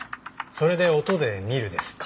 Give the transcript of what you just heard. それで「音で見る」ですか。